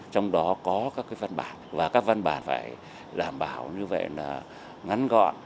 trong đó có các văn bản và các văn bản phải đảm bảo như vậy là ngắn gọn